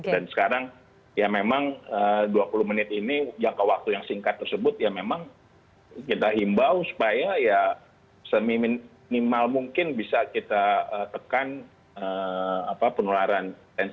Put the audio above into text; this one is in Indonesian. dan sekarang ya memang dua puluh menit ini jangka waktu yang singkat tersebut ya memang kita imbau supaya ya sem minimal mungkin bisa kita tekan penularan